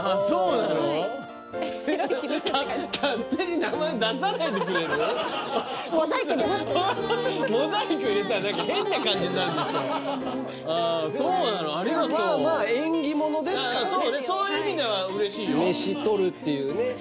そうね